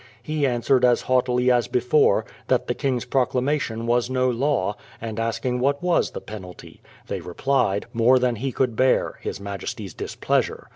He answered as haughtily as before, that the king's proclamation ivas no law, and 198 BRADFORD'S HISTORY OF "^ asking what was the penaUy ! They repHed : more than he could bear, — his majesty's displeasure.